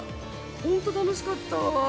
本当楽しかった。